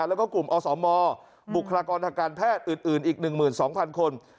แล้วก็กลุ่มอสมบุคลากรทางการแพทย์อื่นอีก๑๒๐๐คน